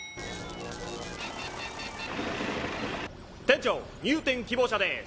店長入店希望者です。